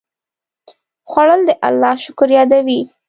خوړل د الله شکر یادوي